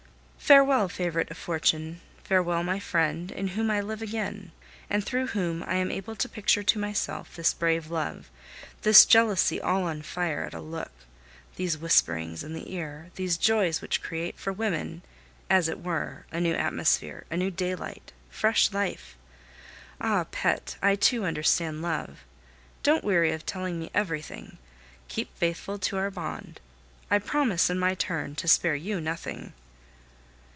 Farewell, favorite of fortune! Farewell, my friend, in whom I live again, and through whom I am able to picture to myself this brave love, this jealousy all on fire at a look, these whisperings in the ear, these joys which create for women, as it were, a new atmosphere, a new daylight, fresh life! Ah! pet, I too understand love. Don't weary of telling me everything. Keep faithful to our bond. I promise, in my turn, to spare you nothing.